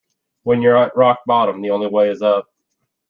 When you're at rock bottom, the only way is up.